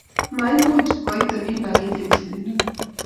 Maimuch koit olindok eng chepchepindo